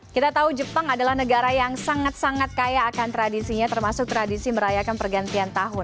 kita tahu jepang adalah negara yang sangat sangat kaya akan tradisinya termasuk tradisi merayakan pergantian tahun